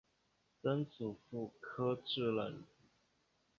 曾祖父柯志仁。